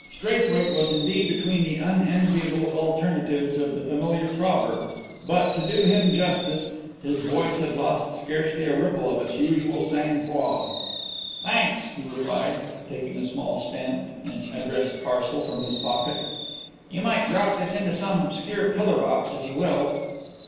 Straithwaite was indeed between the unenviable alternatives of the familiar proverb, but, to do him justice, his voice had lost scarcely a ripple of its usual sang froid. "Thanks," he replied, taking a small stamped and addressed parcel from his pocket, "you might drop this into some obscure pillar box, if you will."